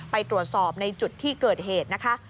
ไปตรวจสอบในจุดที่เกิดเหตุนะคะ